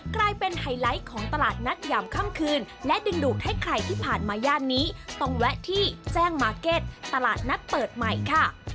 ไฮไลท์ของตลาดนัดยามค่ำคืนและดึงดูดให้ใครที่ผ่านมาย่านนี้ต้องแวะที่แจ้งมาร์เก็ตตลาดนัดเปิดใหม่ค่ะ